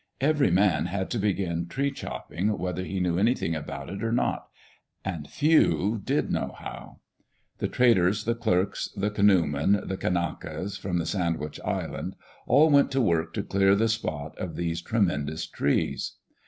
Every man had to begin tree chopping, whether he knew anything about it or not — and few did know how. The traders, the clerks, the canoemen, the Kanakas from the Sandwich Islands — all went to work to clear the spot of these tremendous trees.